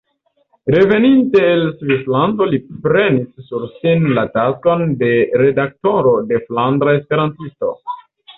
Reveninte el Svislando li prenis sur sin la taskon de redaktoro de "Flandra Esperantisto".